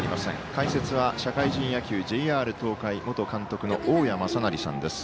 解説は社会人野球ＪＲ東海元監督の大矢正成さんです。